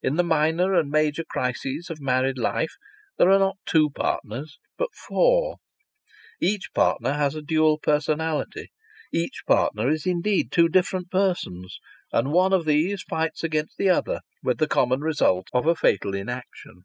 In the minor and major crises of married life there are not two partners, but four; each partner has a dual personality; each partner is indeed two different persons, and one of these fights against the other, with the common result of a fatal inaction.